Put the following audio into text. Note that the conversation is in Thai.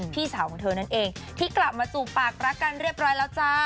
พี่สาวของเธอนั่นเองที่กลับมาจูบปากรักกันเรียบร้อยแล้วจ้า